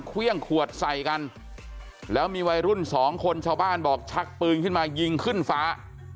เครื่องขวดใส่กันแล้วมีวัยรุ่นสองคนชาวบ้านบอกชักปืนขึ้นมายิงขึ้นฟ้า